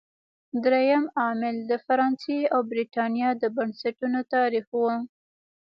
درېیم عامل د فرانسې او برېټانیا د بنسټونو تاریخ و.